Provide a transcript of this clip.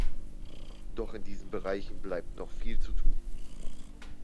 Doch in diesen Bereichen bleibt noch viel zu tun.